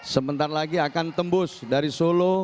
sebentar lagi akan tembus dari solo